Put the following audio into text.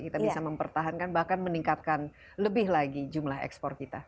kita bisa mempertahankan bahkan meningkatkan lebih lagi jumlah ekspor kita